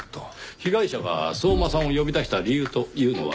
被害者が相馬さんを呼び出した理由というのは？